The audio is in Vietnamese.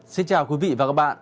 xin chào quý vị và các bạn